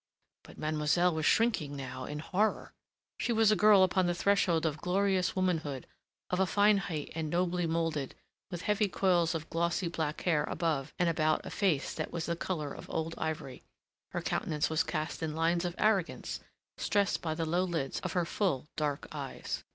But mademoiselle was shrinking now, in horror. She was a girl upon the threshold of glorious womanhood, of a fine height and nobly moulded, with heavy coils of glossy black hair above and about a face that was of the colour of old ivory. Her countenance was cast in lines of arrogance, stressed by the low lids of her full dark eyes.